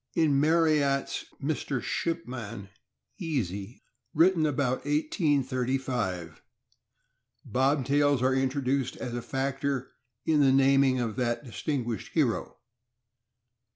In Marryat's "Mr. Midshipman Easy," written about 1835, Bobtails are introduced as a factor in the naming of that distinguished hero.